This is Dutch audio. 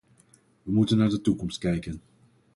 We moeten naar de toekomst kijken.